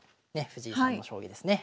藤井さんの将棋ですね。